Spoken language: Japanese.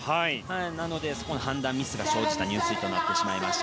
なので、そこの判断ミスが生じた入水となってしまいました。